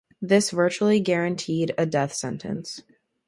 This virtually guaranteed a death sentence.